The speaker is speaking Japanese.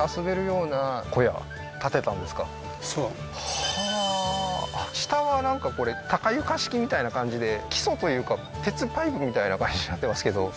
はあー下はなんかこれ高床式みたいな感じで基礎というか鉄パイプみたいな感じになってますけど？